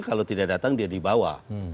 kalau tidak datang dia dibawa